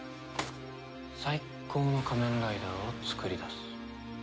最高の仮面ライダーをつくり出す。